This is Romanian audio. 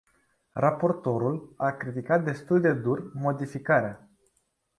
Raportorul a criticat destul de dur modificarea.